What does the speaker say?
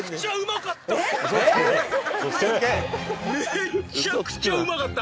めちゃくちゃうまかった。